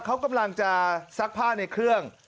เขากำลังจะซักผ้าในเครื่อง